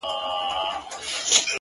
• د مېچني په څېر ګرځېدی چالان وو ,